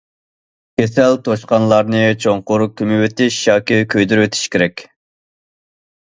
كېسەل توشقانلارنى چوڭقۇر كۆمۈۋېتىش ياكى كۆيدۈرۈۋېتىش كېرەك.